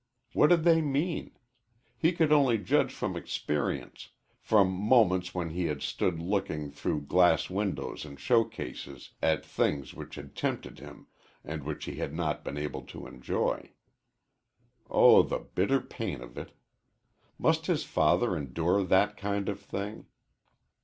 What did they mean? He could only judge from experience from moments when he had stood looking through glass windows and showcases at things which had tempted him and which he had not been able to enjoy. Oh, the bitter pain of it! Must his father endure that kind of thing?